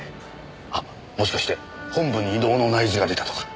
あっもしかして本部に異動の内示が出たとか？